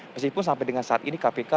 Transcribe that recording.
meskipun sampai dengan saat ini kpk